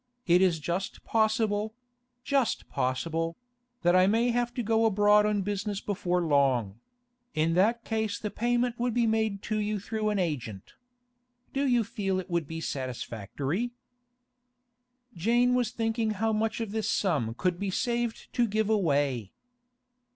It is just possible—just possible—that I may have to go abroad on business before long; in that case the payment would be made to you through an agent. Do you feel it would be satisfactory?' Jane was thinking how much of this sum could be saved to give away.